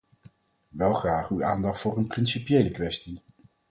Wel graag uw aandacht voor een principiële kwestie.